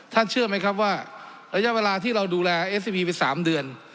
เชื่อไหมครับว่าระยะเวลาที่เราดูแลเอสวีไป๓เดือน